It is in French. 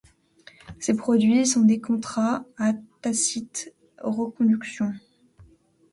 Ces produits sont des contrats à tacite reconduction.